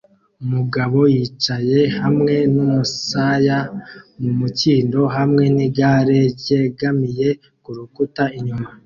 umugabo yicaye hamwe numusaya mumukindo hamwe nigare ryegamiye kurukuta inyuma